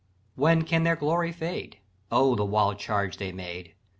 "When can their glory fade? O, the wild charge they made!